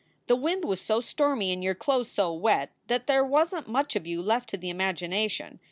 The wind was so stormy and your clothes so wet that there wasn t much of you left to the imagination.